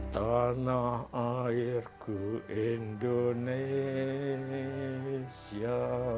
tanah airku indonesia